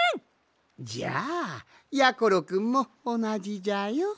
じゃあやころくんもおなじじゃよ。